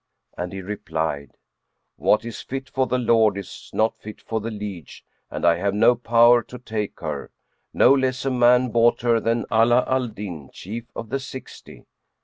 and he replied, "What is fit for the lord is not fit for the liege and I have no power to take her: no less a man bought her than Ala Al Din, Chief of the Sixty."